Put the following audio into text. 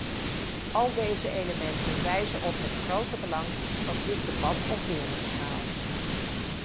Al deze elementen wijzen op het grote belang van dit debat op wereldschaal.